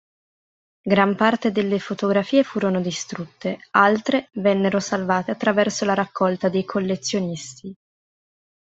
Gran parte delle fotografie furono distrutte, altre vennero salvate attraverso la raccolta dei collezionisti.